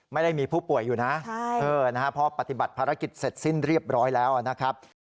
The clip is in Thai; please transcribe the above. ไม่ได้มีผู้ป่วยอยู่นะเพราะปฏิบัติภารกิจเสร็จสิ้นเรียบร้อยแล้วนะครับ